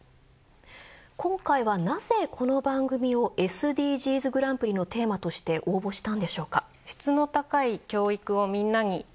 今回はなぜこの番組をＳＤＧｓグランプリのテーマとして応募したんでしょうか。